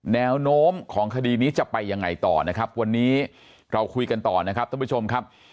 แนวโน้มของคดีนี้จะไปยังไงต่อนะครับวันนี้เราคุยกันต่อนะครับท่านผู้ชมครับ